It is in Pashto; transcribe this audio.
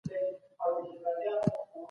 سفیران چیرته د ازادې سوداګرۍ خبري کوي؟